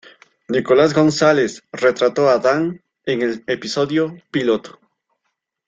Nicholas Gonzalez retrató a Dan en el episodio piloto.